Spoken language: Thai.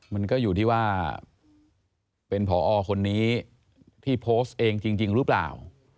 มันก็อยู่ที่ว่าเป็นผอคนนี้ที่โพสต์เองจริงหรือเปล่า